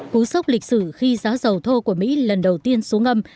cú sốc lịch sử khi giá dầu thô của mỹ lần đầu tiên xuống ngâm